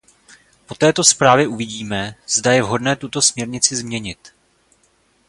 Po této zprávě uvidíme, zda je vhodné tuto směrnici změnit.